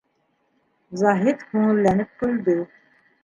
Заһит күңелләнеп көлдө.